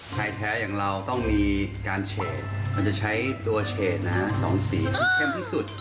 ไทยแท้อย่างเราต้องมีการเฉดมันจะใช้ตัวเฉดนะฮะ๒สีให้เข้มที่สุด